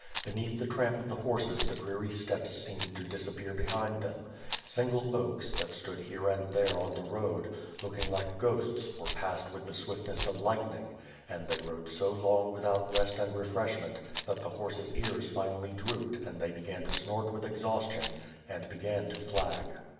Beneath the tramp of the horses the dreary steppes seemed to disappear behind them. Single oaks, that stood here and there on the road, looking like ghosts were passed with the swiftness of lightning, and they rode so long without rest and refresh ment, that the horses' ears finally drooped and they began to snort with exhaustion and began to flag.